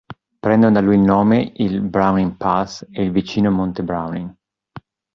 Prendono da lui il nome il "Browning Pass" e il vicino "Monte Browning".